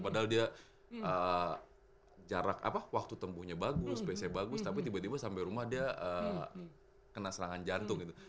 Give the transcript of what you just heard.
padahal dia jarak waktu tempuhnya bagus base nya bagus tapi tiba tiba sampai rumah dia kena serangan jantung gitu